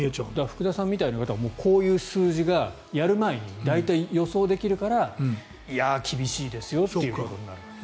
福田さんみたいな人はこういう数字がやる前に大体予想できるから厳しいですよということになる。